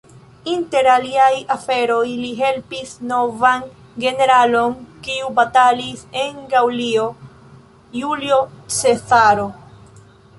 Inter aliaj aferoj, li helpis novan generalon, kiu batalis en Gaŭlio: Julio Cezaro.